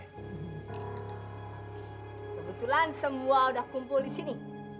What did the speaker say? kebetulan semua udah kumpul di sini